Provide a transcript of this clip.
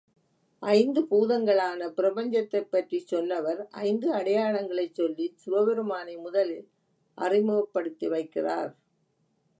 ஐந்து பூதங்களாலான பிரபஞ்சத்தைப் பற்றிச் சொன்னவர், ஐந்து அடையாளங்களைச் சொல்லிச் சிவபெருமானை முதலில் அறிமுகப்படுத்தி வைக்கிறார்.